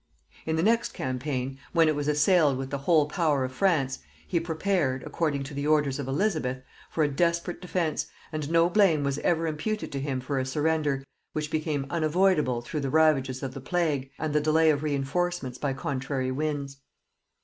In the next campaign, when it was assailed with the whole power of France, he prepared, according to the orders of Elizabeth, for a desperate defence, and no blame was ever imputed to him for a surrender, which became unavoidable through the ravages of the plague, and the delay of reinforcements by contrary winds.